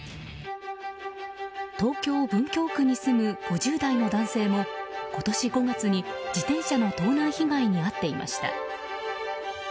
東京・文京区に住む５０代の男性も今年５月に自転車の盗難被害に遭っていました。